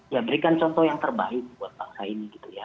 ya berikan contoh yang terbaik buat bangsa ini gitu ya